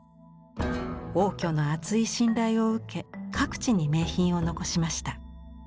応挙の厚い信頼を受け各地に名品を残しました。